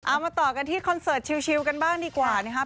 มาต่อกันที่คอนเสิร์ตชิลกันบ้างดีกว่านะครับ